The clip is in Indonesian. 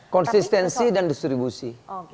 konsistensi dan distribusi